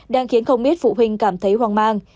đang khiến không ít phụ huynh cảm thấy hoang mang